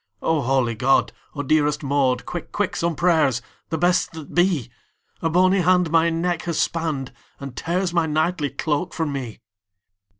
"O holy God! O dearest Maud, Quick, quick, some prayers, the best that be! A bony hand my neck has spanned, And tears my knightly cloak from me!"